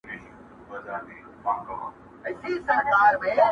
o مينځه چي توده سي، هلته بيده سي٫